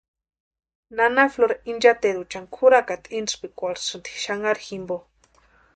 Nana Flora incheteruchani kʼúrakata intspikwarhisïnti xanharhu jimpo.